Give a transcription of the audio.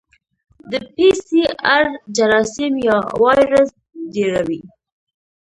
د پی سي ار جراثیم یا وایرس ډېروي.